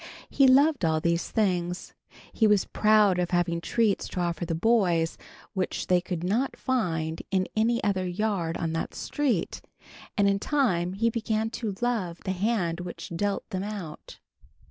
He loved all these things. He was proud of having treats to offer the boys which they could not find in any other yard on that street, and in time he began to love the hand which dealt them out.